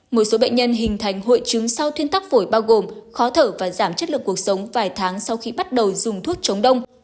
một số bệnh nhân hình thành hội chứng sau thuyên tắc phổi bao gồm khó thở và giảm chất lượng cuộc sống vài tháng sau khi bắt đầu dùng thuốc chống đông